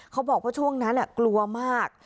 เขาบอกว่าช่วงนั้นกลัวมาก